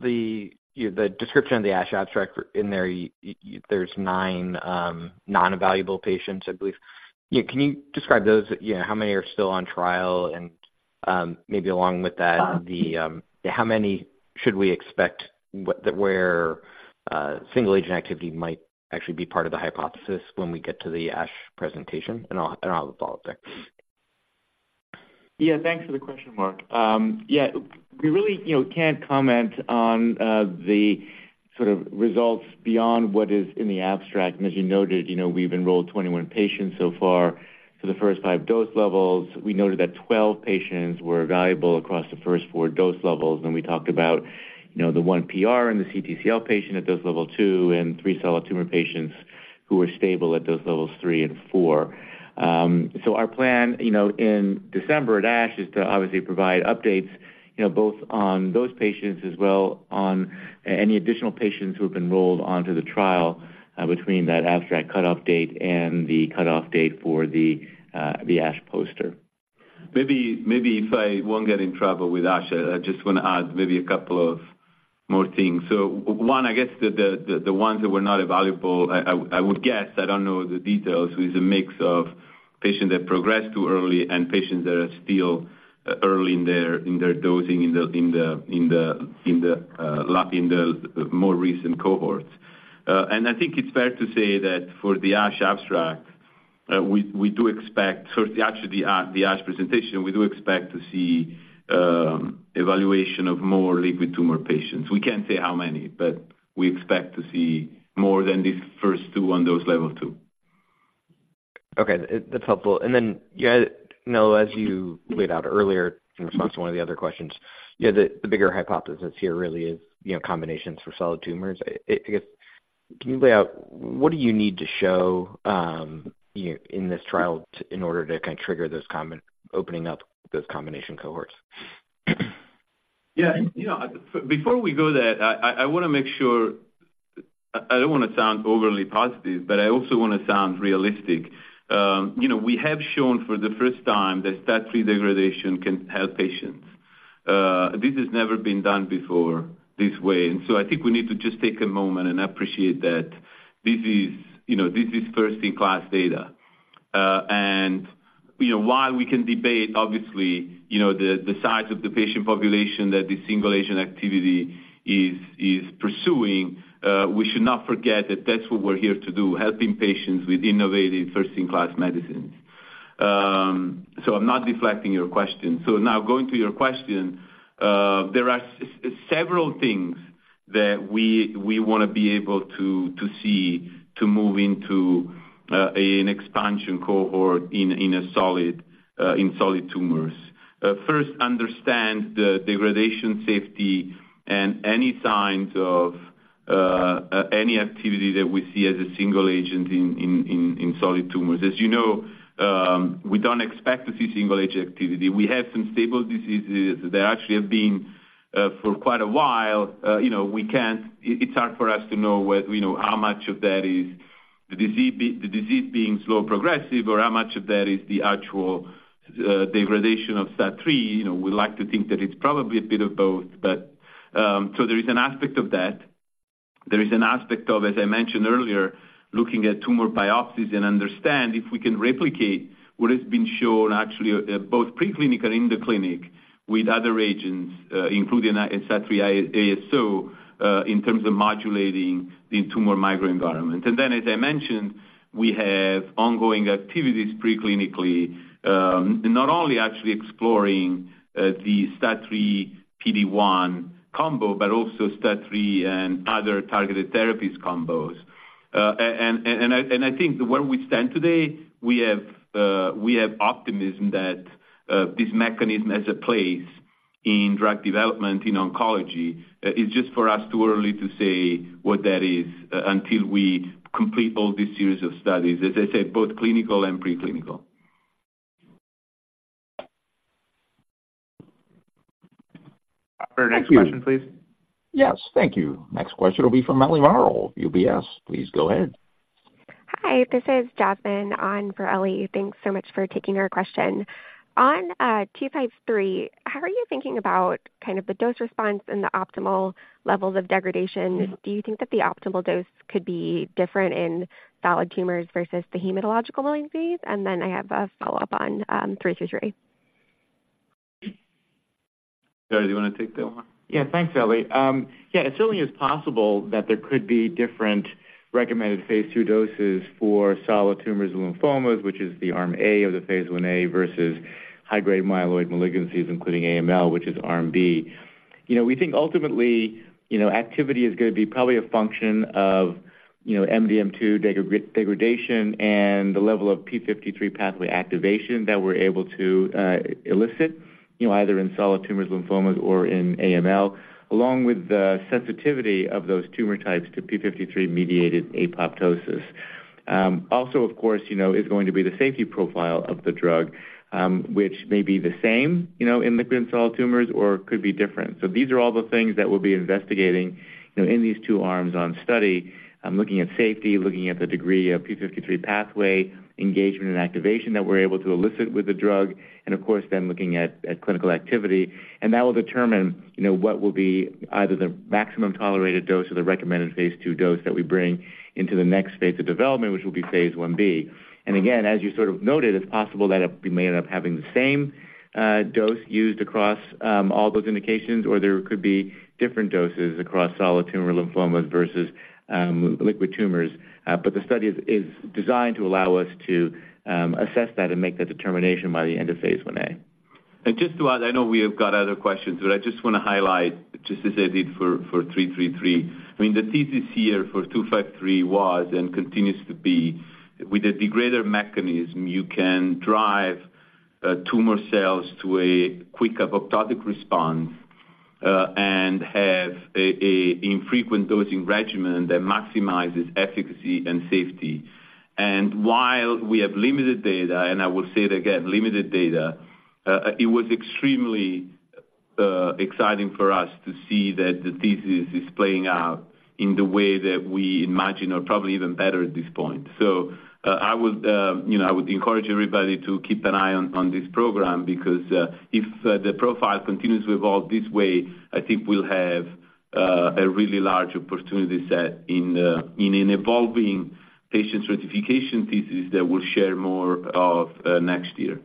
The, you know, the description of the ASH abstract in there, there's nine non-evaluable patients, I believe. Yeah, can you describe those? Yeah, how many are still on trial? And maybe along with that, the how many should we expect that where single agent activity might actually be part of the hypothesis when we get to the ASH presentation? And I'll follow up there. Yeah, thanks for the question, Marc. Yeah, we really, you know, can't comment on the sort of results beyond what is in the abstract. As you noted, you know, we've enrolled 21 patients so far for the first five dose levels. We noted that 12 patients were evaluable across the first four dose levels, and we talked about, you know, the 1 PR and the CTCL patient at dose level two, and three solid tumor patients who were stable at dose levels three and four. So our plan, you know, in December at ASH, is to obviously provide updates, you know, both on those patients as well on any additional patients who have enrolled onto the trial between that abstract cutoff date and the cutoff date for the ASH poster. Maybe if I won't get in trouble with ASH, I just want to add maybe a couple of more things. So one, I guess, the ones that were not evaluable, I would guess, I don't know the details, is a mix of patients that progressed too early and patients that are still early in their dosing, a lot in the more recent cohorts. And I think it's fair to say that for the ASH abstract, we do expect, so actually the ASH presentation, we do expect to see evaluation of more liquid tumor patients. We can't say how many, but we expect to see more than these first two on those level two. Okay, that's helpful. And then, you know, as you laid out earlier, in response to one of the other questions, you know, the bigger hypothesis here really is, you know, combinations for solid tumors. I guess, can you lay out what do you need to show, you know, in this trial to, in order to kind of trigger this comment, opening up those combination cohorts? Yeah, you know, before we go there, I wanna make sure, I don't wanna sound overly positive, but I also wanna sound realistic. You know, we have shown for the first time that STAT3 degradation can help patients. This has never been done before this way, and so I think we need to just take a moment and appreciate that this is, you know, this is first-in-class data. And, you know, while we can debate, obviously, you know, the size of the patient population that the single agent activity is pursuing, we should not forget that that's what we're here to do, helping patients with innovative first-in-class medicines. So I'm not deflecting your question. So now going to your question, there are several things that we wanna be able to see to move into an expansion cohort in solid tumors. First, understand the degradation safety and any signs of any activity that we see as a single agent in solid tumors. As you know, we don't expect to see single agent activity. We have some stable diseases that actually have been for quite a while. You know, we can't, it's hard for us to know whether, you know, how much of that is the disease being slow progressive, or how much of that is the actual degradation of STAT3. You know, we like to think that it's probably a bit of both, but so there is an aspect of that. There is an aspect of, as I mentioned earlier, looking at tumor biopsies and understand if we can replicate what has been shown actually, both pre-clinical and in the clinic with other agents, including STAT3 ASO, in terms of modulating the tumor microenvironment. And then, as I mentioned, we have ongoing activities pre-clinically, not only actually exploring, the STAT3 PD-1 combo, but also STAT3 and other targeted therapies combos. I think where we stand today, we have optimism that this mechanism has a place in drug development in oncology. It's just for us too early to say what that is until we complete all these series of studies, as I said, both clinical and pre-clinical. Our next question, please. Yes, thank you. Next question will be from Eliana Merle, UBS. Please go ahead. Hi, this is Jasmine on for Eliana. Thanks so much for taking our question. On 253, how are you thinking about kind of the dose response and the optimal levels of degradation? Do you think that the optimal dose could be different in solid tumors versus the hematological malignancies? And then I have a follow-up on 333. Jared, do you want to take that one? Yeah. Thanks, Ellie. Yeah, it certainly is possible that there could be different recommended phase II doses for solid tumors and lymphomas, which is the arm A of the phase Ia versus high-grade myeloid malignancies, including AML, which is arm B. You know, we think ultimately, you know, activity is going to be probably a function of, you know, MDM2 degradation and the level of p53 pathway activation that we're able to elicit, you know, either in solid tumors, lymphomas, or in AML, along with the sensitivity of those tumor types to p53-mediated apoptosis. Also, of course, you know, is going to be the safety profile of the drug, which may be the same, you know, in liquid and solid tumors, or could be different. So these are all the things that we'll be investigating, you know, in these two arms on study. I'm looking at safety, looking at the degree of p53 pathway engagement and activation that we're able to elicit with the drug, and of course, then looking at clinical activity. That will determine, you know, what will be either the maximum tolerated dose or the recommended phase II dose that we bring into the next phase of development, which will be phase Ib. And again, as you sort of noted, it's possible that it may end up having the same dose used across all those indications, or there could be different doses across solid tumor lymphomas versus liquid tumors. But the study is designed to allow us to assess that and make that determination by the end of phase Ia. And just to add, I know we have got other questions, but I just want to highlight, just as I did for 333. I mean, the thesis here for 253 was, and continues to be, with a degrader mechanism, you can drive tumor cells to a quick apoptotic response, and have a infrequent dosing regimen that maximizes efficacy and safety. And while we have limited data, and I will say it again, limited data, it was extremely exciting for us to see that the thesis is playing out in the way that we imagined, or probably even better at this point. So, I would, you know, I would encourage everybody to keep an eye on, on this program, because, if the profile continues to evolve this way, I think we'll have a really large opportunity set in, in an evolving patient stratification thesis that we'll share more of, next year. ...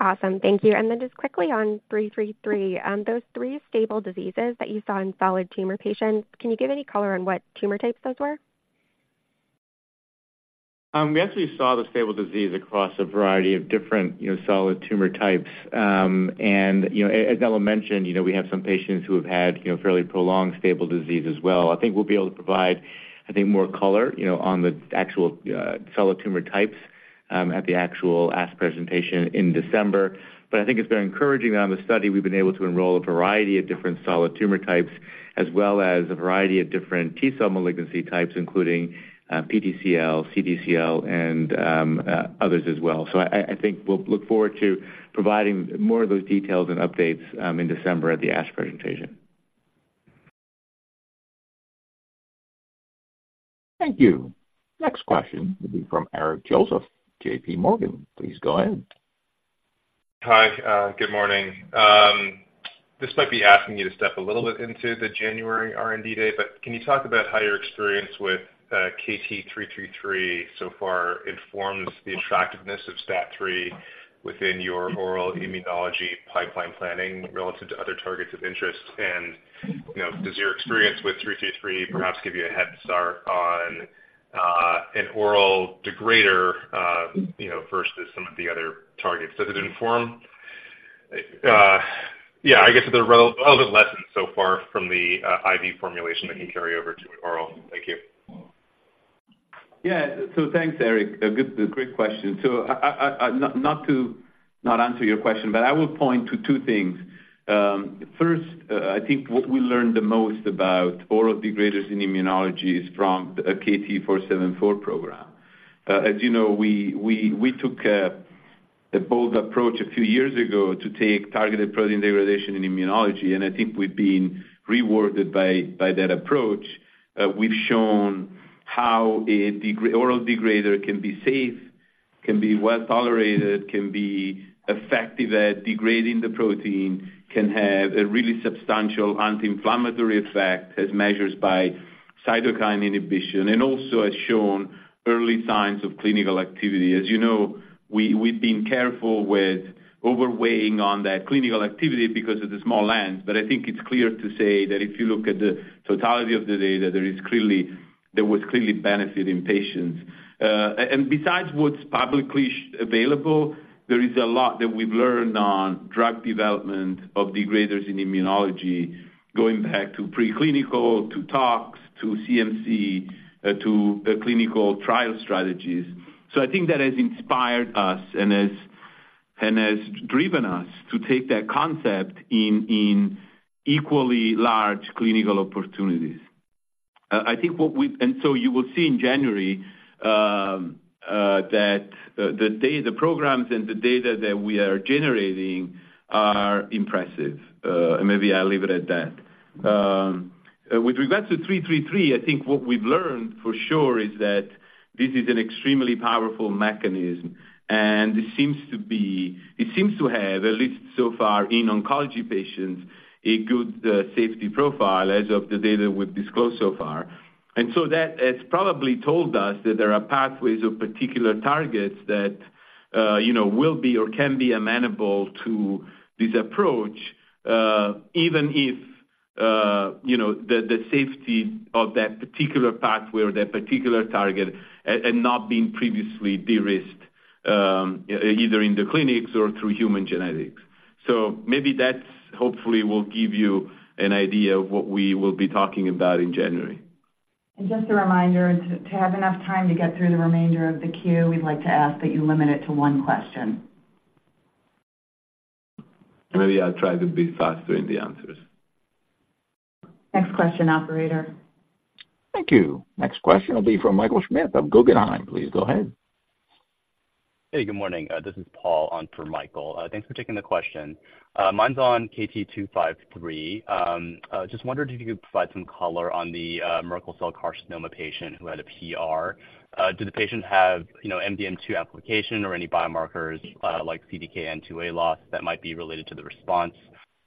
Awesome. Thank you. And then just quickly on 333, those three stable diseases that you saw in solid tumor patients, can you give any color on what tumor types those were? We actually saw the stable disease across a variety of different, you know, solid tumor types. And, you know, as Ellie mentioned, you know, we have some patients who have had, you know, fairly prolonged stable disease as well. I think we'll be able to provide, I think, more color, you know, on the actual, solid tumor types, at the actual ASH presentation in December. But I think it's very encouraging that on the study, we've been able to enroll a variety of different solid tumor types, as well as a variety of different T-cell malignancy types, including, PTCL, CTCL, and, others as well. So I think we'll look forward to providing more of those details and updates, in December at the ASH presentation. Thank you. Next question will be from Eric Joseph, J.P. Morgan. Please go ahead. Hi, good morning. This might be asking you to step a little bit into the January R&D day, but can you talk about how your experience with KT-333 so far informs the attractiveness of STAT3 within your oral immunology pipeline planning relative to other targets of interest? And, you know, does your experience with 333 perhaps give you a head start on an oral degrader, you know, versus some of the other targets? Does it inform? Yeah, I guess, are there relevant lessons so far from the IV formulation that can carry over to oral? Thank you. Yeah. So thanks, Eric. A great question. So I not to not answer your question, but I will point to two things. First, I think what we learned the most about oral degraders in immunology is from a KT-474 program. As you know, we took a bold approach a few years ago to take targeted protein degradation in immunology, and I think we've been rewarded by that approach. We've shown how an oral degrader can be safe, can be well tolerated, can be effective at degrading the protein, can have a really substantial anti-inflammatory effect as measured by cytokine inhibition, and also has shown early signs of clinical activity. As you know, we've been careful with overweighing on that clinical activity because of the small n, but I think it's clear to say that if you look at the totality of the data, there was clearly benefit in patients. And besides what's publicly available, there is a lot that we've learned on drug development of degraders in immunology, going back to preclinical, to tox, to CMC, to the clinical trial strategies. So I think that has inspired us and has driven us to take that concept in equally large clinical opportunities. I think what we... So you will see in January that the data, the programs and the data that we are generating are impressive. Maybe I'll leave it at that. With regards to KT-333, I think what we've learned for sure is that this is an extremely powerful mechanism, and it seems to have, at least so far in oncology patients, a good safety profile as of the data we've disclosed so far. And so that has probably told us that there are pathways of particular targets that, you know, will be or can be amenable to this approach, even if, you know, the safety of that particular pathway or that particular target had not been previously de-risked, either in the clinics or through human genetics. So maybe that's hopefully will give you an idea of what we will be talking about in January. Just a reminder, to have enough time to get through the remainder of the queue, we'd like to ask that you limit it to one question. Maybe I'll try to be faster in the answers. Next question, operator. Thank you. Next question will be from Michael Schmidt of Guggenheim. Please go ahead. Hey, good morning. This is Paul on for Michael. Thanks for taking the question. Mine's on KT-253. Just wondered if you could provide some color on the Merkel cell carcinoma patient who had a PR. Did the patient have, you know, MDM2 amplification or any biomarkers, like CDKN2A loss that might be related to the response?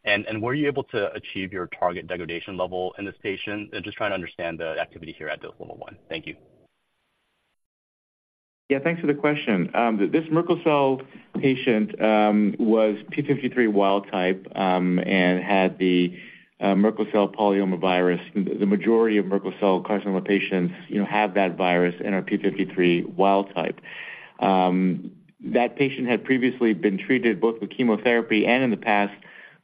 And, were you able to achieve your target degradation level in this patient? Just trying to understand the activity here at dose level one. Thank you. Yeah, thanks for the question. This Merkel cell patient was p53 wild type and had the Merkel cell polyomavirus. The majority of Merkel cell carcinoma patients, you know, have that virus and are p53 wild type. That patient had previously been treated both with chemotherapy and in the past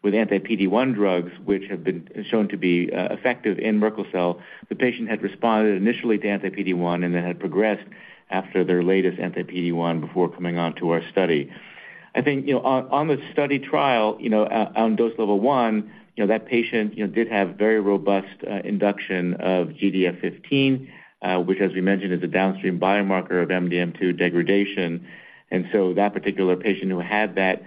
with anti-PD-1 drugs, which have been shown to be effective in Merkel cell. The patient had responded initially to anti-PD-1 and then had progressed after their latest anti-PD-1 before coming on to our study. I think, you know, on the study trial, you know, on dose level one, you know, that patient, you know, did have very robust induction of GDF-15, which, as we mentioned, is a downstream biomarker of MDM2 degradation. And so that particular patient who had that,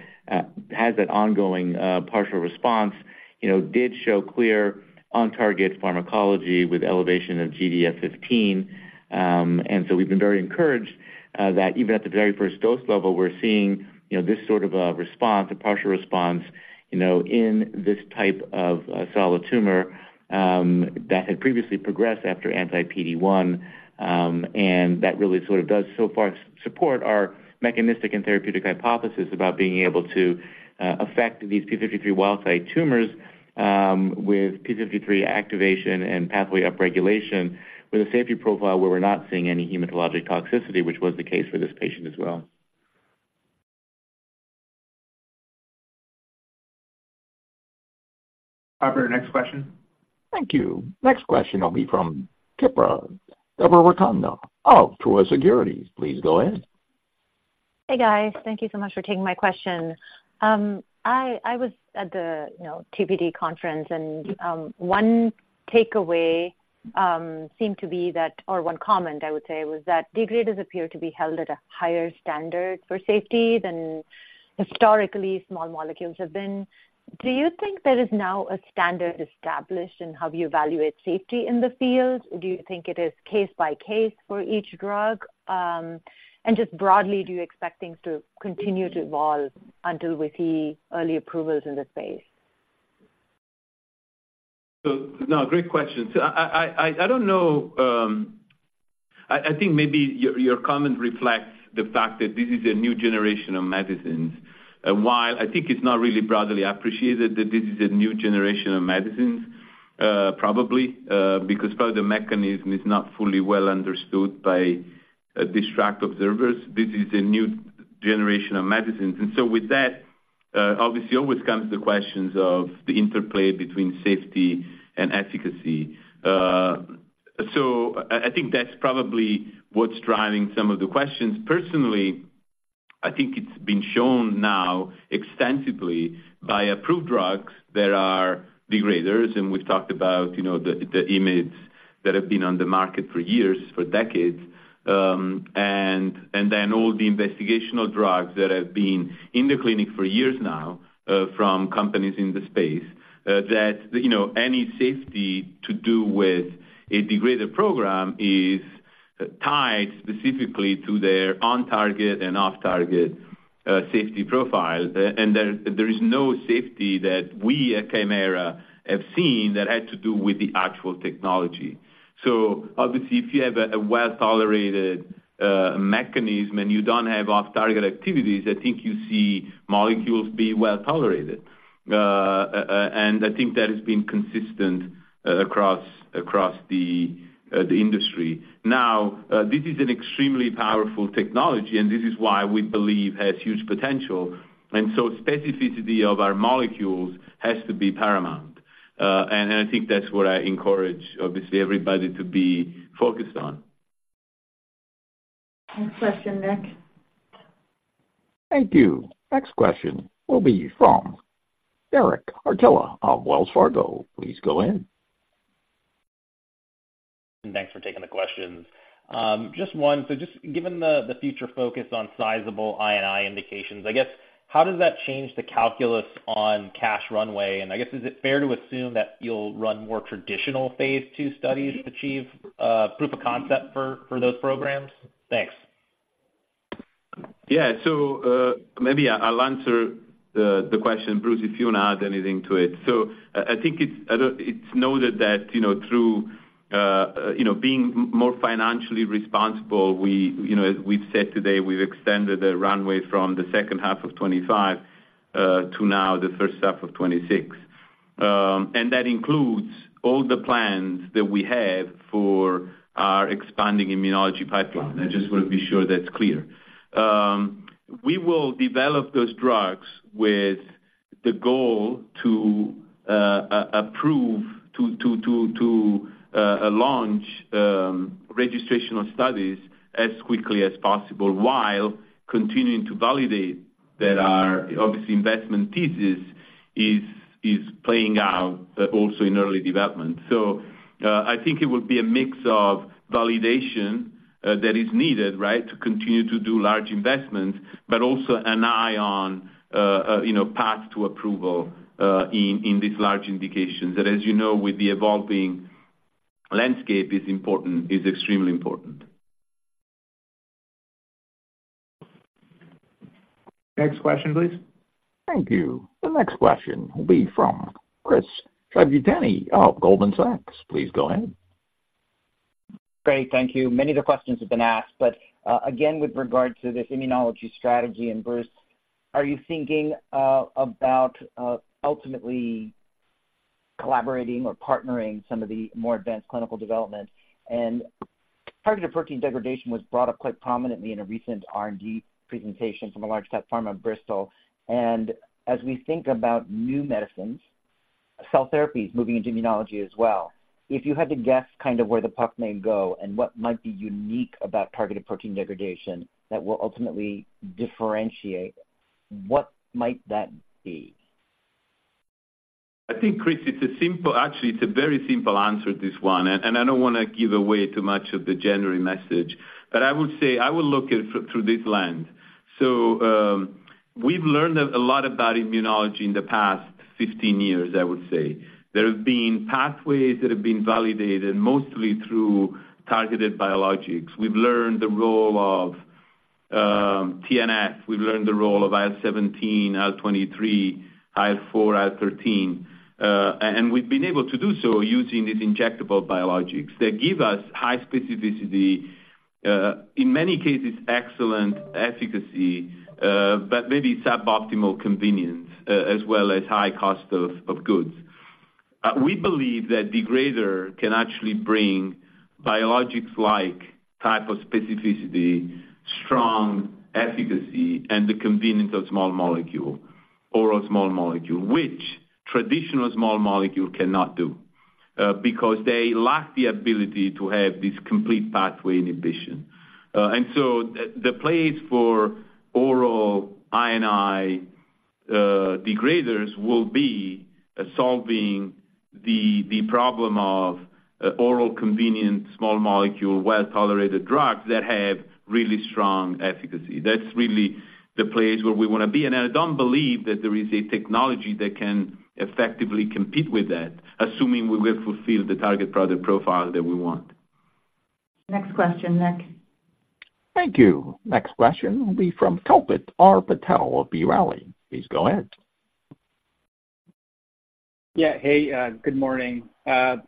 has that ongoing, partial response, you know, did show clear on-target pharmacology with elevation of GDF-15. And so we've been very encouraged, that even at the very first dose level, we're seeing, you know, this sort of a response, a partial response, you know, in this type of, solid tumor, that had previously progressed after anti-PD-1, and that really sort of does so far support our mechanistic and therapeutic hypothesis about being able to, affect these p53 wild-type tumors, with p53 activation and pathway upregulation, with a safety profile where we're not seeing any hematologic toxicity, which was the case for this patient as well.... Operator, next question. Thank you. Next question will be from Kripa Devarakonda of Truist Securities. Please go ahead. Hey, guys. Thank you so much for taking my question. I was at the, you know, TPD conference, and one takeaway seemed to be that or one comment I would say, was that degraders appear to be held at a higher standard for safety than historically small molecules have been. Do you think there is now a standard established in how you evaluate safety in the field, or do you think it is case by case for each drug? And just broadly, do you expect things to continue to evolve until we see early approvals in the space? So, no, great question. I don't know, I think maybe your comment reflects the fact that this is a new generation of medicines. And while I think it's not really broadly appreciated that this is a new generation of medicines, probably because part of the mechanism is not fully well understood by distant observers, this is a new generation of medicines. And so with that, obviously always comes the questions of the interplay between safety and efficacy. So I think that's probably what's driving some of the questions. Personally, I think it's been shown now extensively by approved drugs that are degraders, and we've talked about, you know, the IMiDs that have been on the market for years, for decades. And then all the investigational drugs that have been in the clinic for years now, from companies in the space, that, you know, any safety to do with a degrader program is tied specifically to their on-target and off-target, safety profile. And there is no safety that we at Kymera have seen that had to do with the actual technology. So obviously, if you have a well-tolerated mechanism and you don't have off-target activities, I think you see molecules be well-tolerated. And I think that has been consistent across the industry. Now, this is an extremely powerful technology, and this is why we believe has huge potential, and so specificity of our molecules has to be paramount. And I think that's what I encourage, obviously, everybody to be focused on. Next question, Nick. Thank you. Next question will be from Derek Archila of Wells Fargo. Please go in. Thanks for taking the questions. Just one. So just given the future focus on sizable I&I indications, I guess, how does that change the calculus on cash runway? And I guess, is it fair to assume that you'll run more traditional phase II studies to achieve proof of concept for those programs? Thanks. Yeah. So, maybe I'll answer the question, Bruce, if you want to add anything to it. So I think it's noted that, you know, through being more financially responsible, we, you know, as we've said today, we've extended the runway from the second half of 2025 to now the first half of 2026. And that includes all the plans that we have for our expanding immunology pipeline. I just want to be sure that's clear. We will develop those drugs with the goal to approve to launch registrational studies as quickly as possible, while continuing to validate that our, obviously, investment thesis is playing out also in early development. I think it will be a mix of validation that is needed, right, to continue to do large investments, but also an eye on, you know, path to approval in these large indications. That, as you know, with the evolving landscape is important, is extremely important. Next question, please. Thank you. The next question will be from Chris Shibutani of Goldman Sachs. Please go ahead. Great. Thank you. Many of the questions have been asked, but, again, with regard to this immunology strategy and burst, are you thinking, about, ultimately collaborating or partnering some of the more advanced clinical development? Targeted protein degradation was brought up quite prominently in a recent R&D presentation from a large cap pharma, Bristol. As we think about new medicines, cell therapies moving into immunology as well, if you had to guess kind of where the puck may go and what might be unique about targeted protein degradation that will ultimately differentiate, what might that be? I think, Chris, it's a simple, actually, it's a very simple answer, this one, and I don't wanna give away too much of the January message. But I would say I would look at it through this lens. So, we've learned a lot about immunology in the past 15 years, I would say. There have been pathways that have been validated, mostly through targeted biologics. We've learned the role of TNF. We've learned the role of IL-17, IL-23, IL-4, IL-13. And we've been able to do so using these injectable biologics. They give us high specificity, in many cases, excellent efficacy, but maybe suboptimal convenience, as well as high cost of goods. We believe that degrader can actually bring biologics-like type of specificity, strong efficacy, and the convenience of small molecule, oral small molecule, which traditional small molecule cannot do, because they lack the ability to have this complete pathway inhibition. And so the place for oral I&I degraders will be solving the problem of oral convenient, small molecule, well-tolerated drugs that have really strong efficacy. That's really the place where we wanna be. And I don't believe that there is a technology that can effectively compete with that, assuming we will fulfill the target product profile that we want. Next question, Nick. Thank you. Next question will be from Kalpit Patel of B. Riley. Please go ahead. Yeah. Hey, good morning.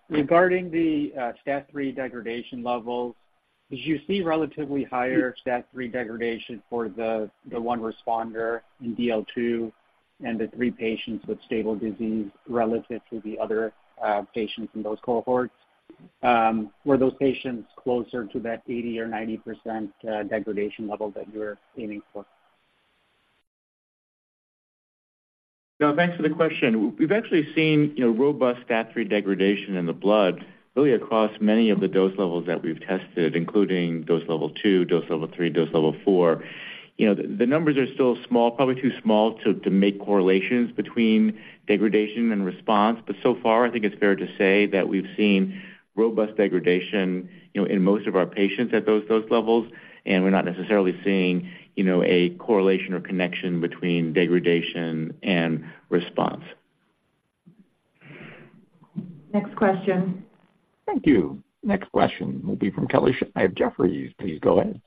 Regarding the STAT3 degradation levels, did you see relatively higher STAT3 degradation for the one responder in DL2 and the three patients with stable disease, relative to the other patients in those cohorts? Were those patients closer to that 80% or 90% degradation level that you were aiming for? No, thanks for the question. We've actually seen, you know, robust STAT3 degradation in the blood, really across many of the dose levels that we've tested, including dose level two, dose level three, dose level four. You know, the, the numbers are still small, probably too small to, to make correlations between degradation and response. But so far, I think it's fair to say that we've seen robust degradation, you know, in most of our patients at those dose levels, and we're not necessarily seeing, you know, a correlation or connection between degradation and response. Next question. Thank you. Next question will be from Kelly Shi of Jefferies. Please go ahead.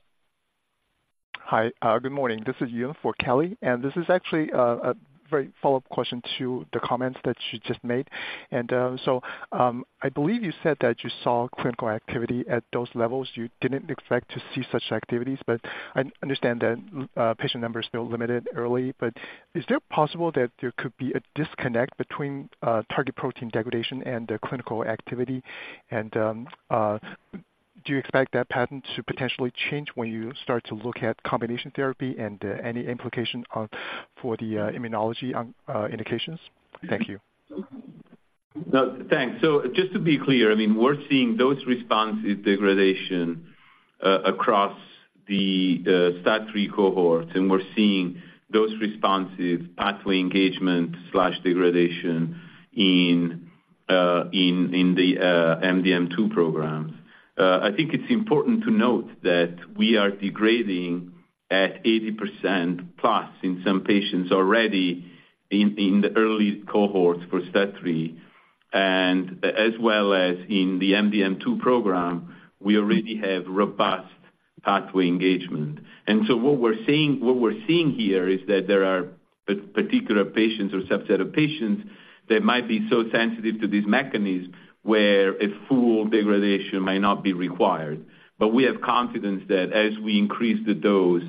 Hi, good morning. This is Yoon for Kelly, and this is actually a very follow-up question to the comments that she just made. And, so, I believe you said that you saw clinical activity at those levels. You didn't expect to see such activities, but I understand that patient numbers still limited early. But is it possible that there could be a disconnect between target protein degradation and the clinical activity? And do you expect that pattern to potentially change when you start to look at combination therapy, and any implication on, for the immunology on indications? Thank you. No, thanks. So just to be clear, I mean, we're seeing those responses degradation across the STAT3 cohorts, and we're seeing those responses, pathway engagement / degradation in the MDM2 programs. I think it's important to note that we are degrading at 80%+ in some patients already in the early cohorts for STAT3, and as well as in the MDM2 program, we already have robust pathway engagement. And so what we're seeing - what we're seeing here is that there are particular patients or subset of patients that might be so sensitive to this mechanism, where a full degradation might not be required. But we have confidence that as we increase the dose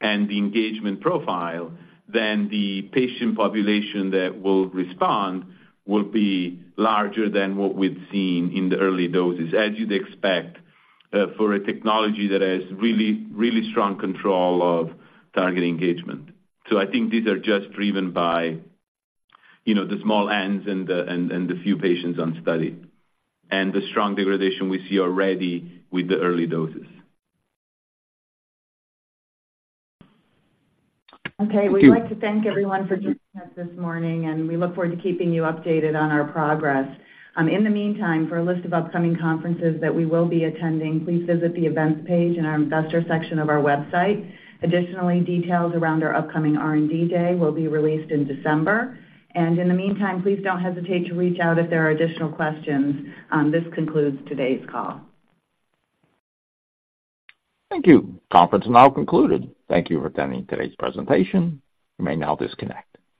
and the engagement profile, then the patient population that will respond will be larger than what we've seen in the early doses, as you'd expect, for a technology that has really, really strong control of target engagement. So I think these are just driven by, you know, the small Ns and the few patients on study, and the strong degradation we see already with the early doses. Okay. Thank you. We'd like to thank everyone for joining us this morning, and we look forward to keeping you updated on our progress. In the meantime, for a list of upcoming conferences that we will be attending, please visit the Events page in our investor section of our website. Additionally, details around our upcoming R&D Day will be released in December, and in the meantime, please don't hesitate to reach out if there are additional questions. This concludes today's call. Thank you. Conference is now concluded. Thank you for attending today's presentation. You may now disconnect.